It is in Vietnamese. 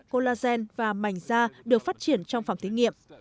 colagen và mảnh da được phát triển trong phòng thí nghiệm